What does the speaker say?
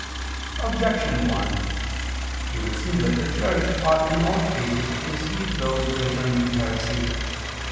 Objection 1: It would seem that the Church ought in all cases to receive those who return from heresy.